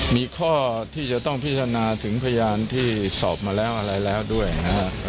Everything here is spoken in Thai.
มีข้อที่จะต้องพิจารณาถึงพยานที่สอบมาแล้วอะไรแล้วด้วยนะครับ